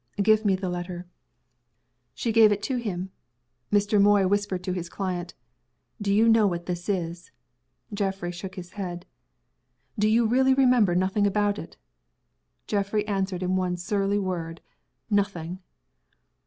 "Give me the letter." She gave it to him. Mr. Moy whispered to his client, "Do you know what that is?" Geoffrey shook his head. "Do you really remember nothing about it?" Geoffrey answered in one surly word, "Nothing!"